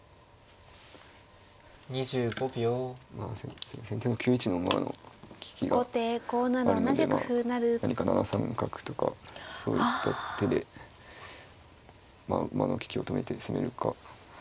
まあ先手の９一の馬の利きがあるので何か７三角とかそういった手で馬の利きを止めて攻めるか。